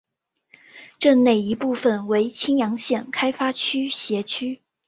镇内一部分为青阳县开发区辖区。